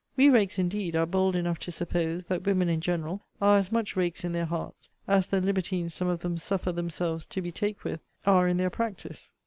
We rakes, indeed, are bold enough to suppose, that women in general are as much rakes in their hearts, as the libertines some of them suffer themselves to be take with are in their practice.